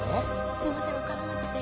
すいません分からなくて。